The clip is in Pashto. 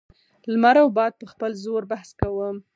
لمر او باد په خپل زور بحث کاوه.